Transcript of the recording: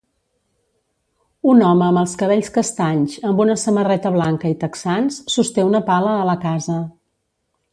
Un home amb els cabells castanys amb una samarreta blanca i texans sosté una pala a la casa.